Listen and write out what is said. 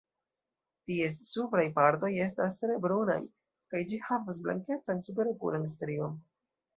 Ties supraj partoj estas tre brunaj, kaj ĝi havas blankecan superokulan strion.